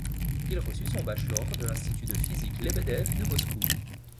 Il reçut son bachelor de l’Institut de physique Lebedev de Moscou.